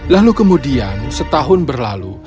lalu kemudian setahun berlalu